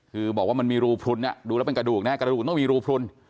คือบอกว่ามันมีรูพลุนดูแล้วเป็นกระดูกนะฮะกระดูกต้องมีรูพลุน